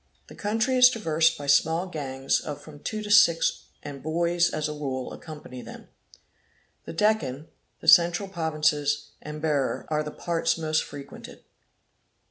The country is traversed by small gangs of from two to six, and boys, as a rule, accompany them. The Dekkan, the Central Provinces and Bera are the parts most frequented.